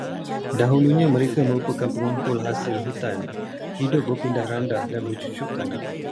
Dahulunya mereka merupakan pengumpul hasil hutan, hidup berpindah-randah, dan bercucuk tanam.